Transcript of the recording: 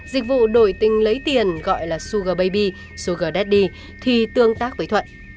dịch vụ đổi tình lấy tiền gọi là sugar baby sugar daddy thì tương tác với thuận